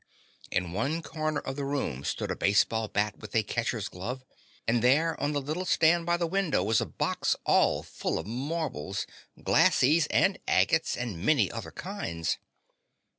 In one corner of the room stood a baseball bat with a catcher's glove, and there on the little stand by the window was a box all full of marbles, "glassies" and agates and many other kinds.